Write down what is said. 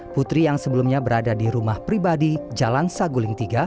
putri yang sebelumnya berada di rumah pribadi jalan saguling tiga